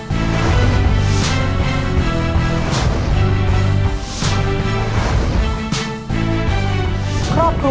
จะมาจับมือกันต่อสู้เพื่อโรงเรียนที่รักของพวกเค้า